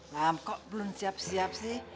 nah kok belum siap siap sih